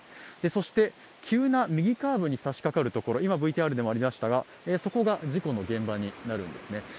そして急な右カーブにさしかかるところ、今ＶＴＲでもありましたがそこが事故の現場になるんですね。